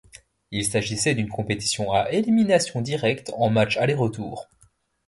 Il s'agissait d'une compétition à élimination directe en match aller-retour.